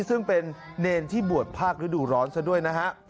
ซึ่งเป็นเนรที่บวชภาคฤดูร้อนซะด้วยนะฮะ